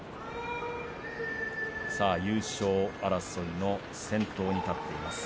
さあ優勝争いの先頭に立っています。